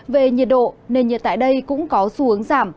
về nhiệt độ nền nhiệt tại đây cũng có xu hướng giảm